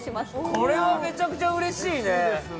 これはめちゃくちゃうれしいね。